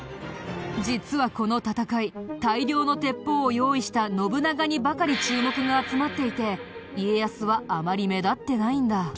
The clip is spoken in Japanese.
実はこの戦い大量の鉄砲を用意した信長にばかり注目が集まっていて家康はあまり目立ってないんだ。